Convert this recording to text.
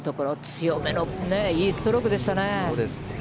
強めの、いいストロークでしたね。